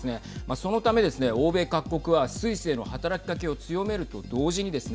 そのためですね欧米各国はスイスへの働きかけを強めると同時にですね